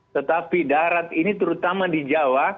tetapi darat ini terutama di jawa